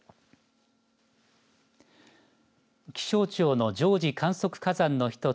気象庁の常時観測火山の一つ